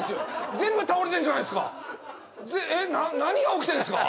全部倒れてんじゃないですかえっ何が起きてんですか？